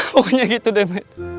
pokoknya gitu deh matt